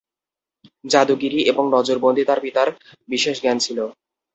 জাদুগিরি এবং নজরবন্দি তার পিতার বিশেষ জ্ঞান ছিল।